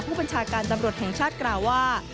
ผู้บัญชาการตำรวจแห่งชาติกล่าวว่า